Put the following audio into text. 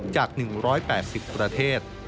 จาก๑๘๐ประเทศ